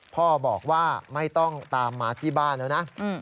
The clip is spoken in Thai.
พ่อบอกว่าไม่ต้องตามมาที่บ้านแล้วนะ